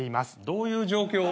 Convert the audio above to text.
どういう状況？